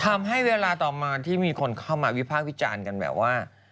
ทำให้เวลาต่อมาที่มีคนเข้ามาวิภาควิจารณ์กันแบบว่า